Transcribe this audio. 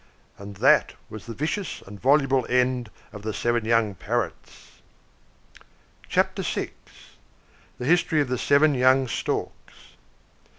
And that was the vicious and voluble end of the seven young Parrots. CHAPTER VI. THE HISTORY OF THE SEVEN YOUNG STORKS.